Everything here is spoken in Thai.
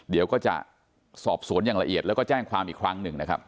เดี๋ยวก็จะสอบสวนอย่างละเอียดแล้วก็แจ้งความอีกครั้งหนึ่งนะครับ